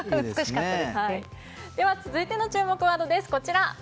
では続いての注目ワードです。